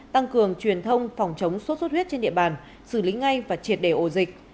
tăng cường truyền thông phòng chống sốt xuất huyết trên địa bàn xử lý ngay và triệt đề ổ dịch